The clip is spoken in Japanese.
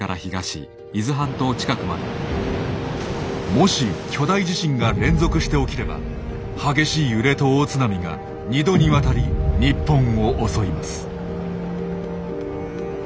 もし巨大地震が連続して起きれば激しい揺れと大津波が２度にわたり日本を襲います。